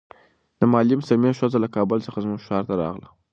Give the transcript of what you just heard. د معلم سمیع ښځه له کابل څخه زموږ ښار ته راغله.